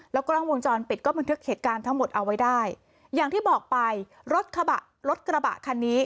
แล้วก็ล่องวงจรปิดก็บันทึกเหตุการณ์ทั้งหมดเอาไว้ได้อย่างที่บอกไปรถกระบะรถกระบะคันนี้